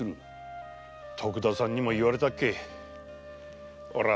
徳田さんにも言われたっけおらぁ